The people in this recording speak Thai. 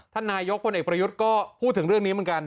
นายกพลเอกประยุทธ์ก็พูดถึงเรื่องนี้เหมือนกัน